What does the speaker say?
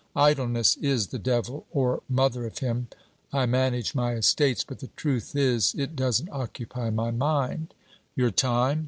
Idleness is the devil or mother of him. I manage my estates; but the truth is, it doesn't occupy my mind.' 'Your time.'